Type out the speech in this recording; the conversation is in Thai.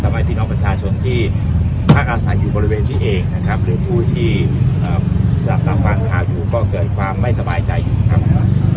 ทำไมพี่น้องประชาชนที่ภาคอาศัยอยู่บริเวณนี้เองนะครับหรือผู้ที่สนับสนามภาคขายุก็เกิดความไม่สบายใจอยู่นะครับ